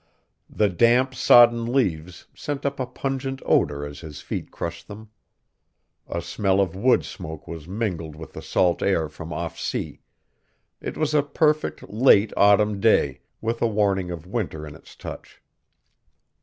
The damp sodden leaves sent up a pungent odor as his feet crushed them. A smell of wood smoke was mingled with the salt air from off sea; it was a perfect late autumn day, with a warning of winter in its touch.